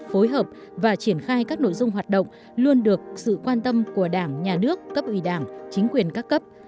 phối hợp và triển khai các nội dung hoạt động luôn được sự quan tâm của đảng nhà nước cấp ủy đảng chính quyền các cấp